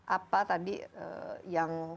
apa tadi yang